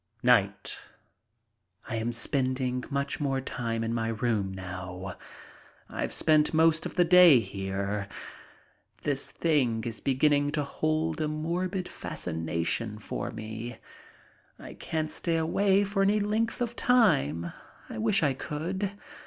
Night: I am spending much time in my room now. I've spent most of the day here. This thing is beginning to hold a morbid fascination for me. I can't stay away for any length of time. I wish I could.